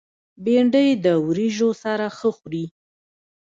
بېنډۍ د وریژو سره ښه خوري